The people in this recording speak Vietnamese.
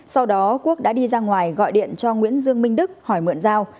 sau đó quốc đã đi ra ngoài gọi điện cho nguyễn dương minh đức hỏi mượn dao